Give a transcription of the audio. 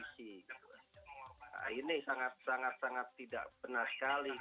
nah ini sangat sangat tidak benar sekali